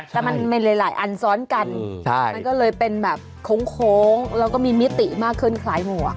แต่มันมีหลายอันซ้อนกันมันก็เลยเป็นแบบโค้งแล้วก็มีมิติมากขึ้นคล้ายหมวก